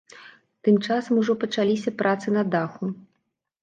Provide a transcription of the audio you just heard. Тым часам ужо пачаліся працы на даху.